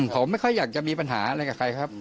ผมไม่ค่อยอยากจะมีปัญหาอะไรกับใครครับ